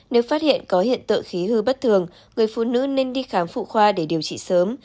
nếu phát hiện có hiện tượng khí hư bất thường người phụ nữ nên đi khám phụ khoa để điều trị sớm